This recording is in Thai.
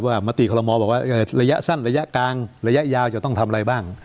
ว่ามติขรมองบอกว่าระยะสั้นระยะกลางระยะยาวที่เราต้องทำอะไรบ้าง